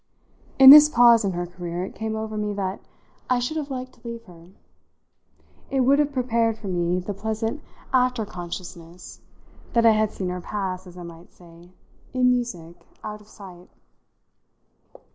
In this pause in her career it came over me that I should have liked to leave her; it would have prepared for me the pleasant after consciousness that I had seen her pass, as I might say, in music out of sight.